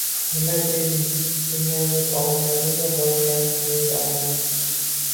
Nima desin, shunday deb ovutadi-da, bolalarini, dedi onam